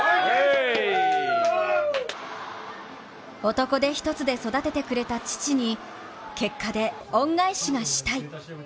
男手一つで育ててくれた父に結果で恩返しがしたい。